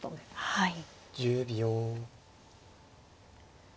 はい。